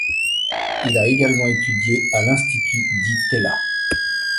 Il a également étudié à l'Institut Di Tella.